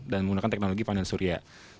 dan menggunakan teknologi panel surya